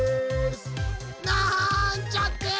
なんちゃって！